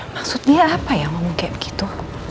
maksudnya apa ya ngomong kayak begitu